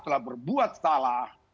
telah berbuat salah